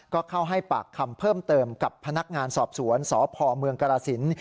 ก็เข้าให้ปากคำเพิ่มเติมกับพนักงานสอบสวนสพเมืองกรสิน